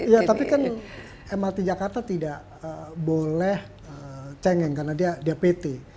ya tapi kan mrt jakarta tidak boleh cengeng karena dia dpt